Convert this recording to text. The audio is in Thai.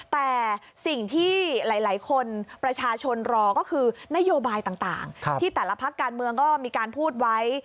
แต่สิ่งที่หลายคนประชาชนรอก็คือนโยบายต่างที่แต่ละพักการเมืองก็มีการพูดไว้